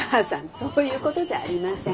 そういうことじゃありません。